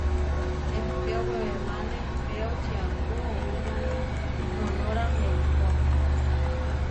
Ehpéo wewemáne ehpéo čiápu oʼowitiáme noʼnóra eikó.